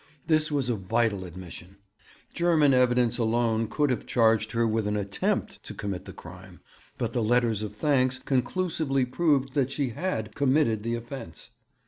This was a vital admission. German evidence alone could have charged her with an 'attempt' to commit the crime, but the letters of thanks conclusively proved that she had 'committed' the offence.